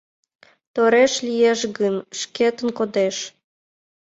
— Тореш лиеш гын, шкетын кодеш.